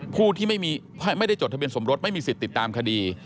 ผู้ที่ไม่ได้จดทะเบียนสมรสไม่มีสิทธิ์ติดตามคดี